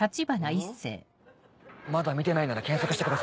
まだ見てないなら検索してください。